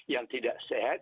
yang tidak sehat